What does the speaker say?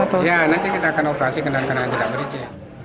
ya nanti kita akan operasi kenal kenal tidak berhenti